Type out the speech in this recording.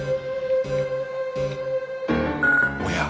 おや？